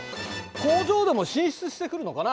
工場でも進出してくるのかな。